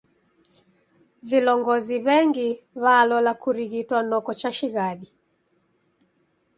Vilongozi w'engi w'alola kurighitwa noko chashighadi.